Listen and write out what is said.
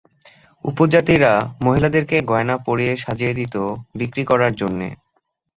উপজাতিরা মহিলাদেরকে গয়না পরিয়ে সাজিয়ে দিত বিক্রি করার জন্যে।